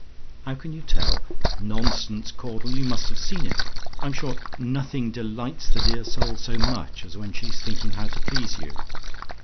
"HOW CAN YOU TELL? "Nonsense, Caudle; you must have seen it. I'm sure nothing delights the dear soul so much as when she's thinking how to please you.